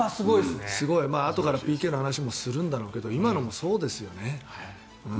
あとからＰＫの話もするんだろうけど今のもそうですよね。